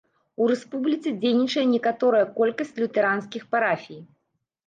У рэспубліцы дзейнічае некаторая колькасць лютэранскіх парафій.